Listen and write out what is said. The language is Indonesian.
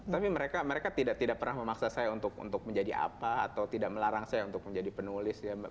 tapi mereka tidak pernah memaksa saya untuk menjadi apa atau tidak melarang saya untuk menjadi penulis